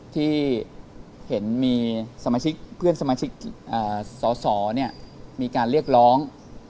ที่เห็นมีสมาชิกเพื่อนสมาชิกสสมีการเรียกร้อง